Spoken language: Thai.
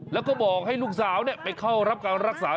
แล้วก็บอกให้ลูกสาวไปเข้ารับการรักษา